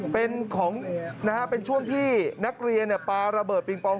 เป็นของนะฮะเป็นช่วงที่นักเรียนปลาระเบิดปิงปอง